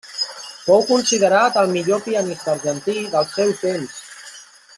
Fou considerat el millor pianista argentí del seu temps.